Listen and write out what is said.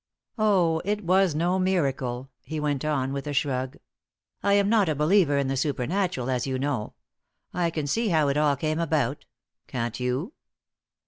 Oh, it was no miracle!" he went on, with a shrug. "I am not a believer in the supernatural, as you know. I can see how it all came about. Can't you?"